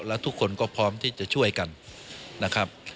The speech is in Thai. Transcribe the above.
แล้วทุกคนก็พร้อมที่จะช่วยกันนะครับ